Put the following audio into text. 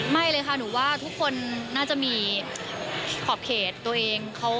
ไม่เลยค่ะหนูว่าทุกคนน่าจะมีขอบเขตตัวเอง